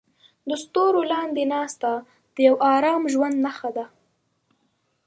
د ستورو لاندې ناسته د یو ارام ژوند نښه ده.